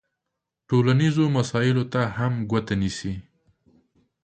ټولنیزو مسایلو ته هم ګوته نیسي.